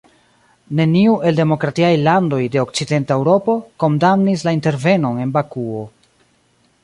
Neniu el demokratiaj landoj de Okcidenta Eŭropo kondamnis la intervenon en Bakuo.